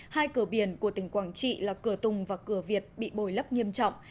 hai cửa biển của tỉnh quảng trị là cửa tùng và cửa việt bị bồi lấp nghiêm trọng